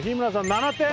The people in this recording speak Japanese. ７点